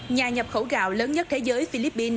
nhà nhập khẩu gạo lớn nhất thế giới philippines